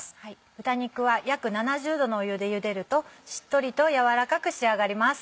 豚肉は約７０度の湯でゆでるとしっとりと軟らかく仕上がります。